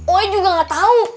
woy juga gak tau